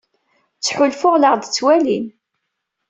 Ttḥulfuɣ la aɣ-d-ttwalin.